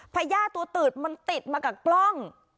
พญาติตัวตืดมันติดมากับกล้อง